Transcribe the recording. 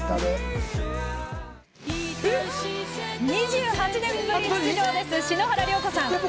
２８年ぶり出場の篠原涼子さん。